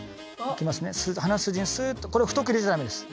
鼻筋にスーッとこれを太く入れちゃダメです。